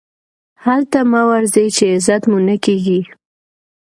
هلته مه ورځئ، چي عزت مو نه کېږي.